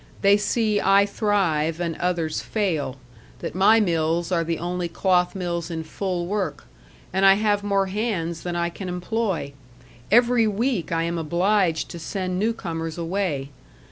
They see I thrive and others fail that my mills are the only cloth mills in full work, and I have more hands than I can employ. Every week I am obliged to send new comers away.